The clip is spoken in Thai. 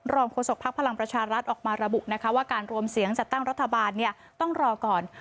โฆษกภักดิ์พลังประชารัฐออกมาระบุนะคะว่าการรวมเสียงจัดตั้งรัฐบาลต้องรอก่อน